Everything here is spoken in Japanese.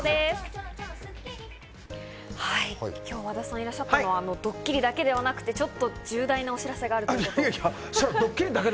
今日、和田さんがいらっしゃたのはドッキリだけではなくて重大なお知らせがあるということで。